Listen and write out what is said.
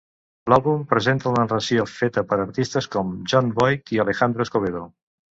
L'àlbum presenta la narració feta per artistes com Jon Voight i Alejandro Escovedo.